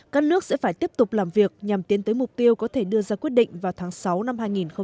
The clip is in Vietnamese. các nước sẽ phải tiếp tục làm việc nhằm tiến tới mục tiêu có thể đưa ra quyết định vào tháng sáu năm hai nghìn hai mươi